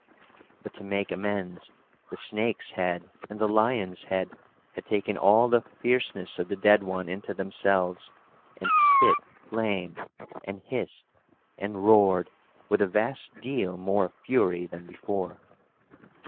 But, to make amends, the snake's head and the lion's head had taken all the fierceness of the dead one into themselves, and spit flame, and hissed, and roared, with a vast deal more fury than before.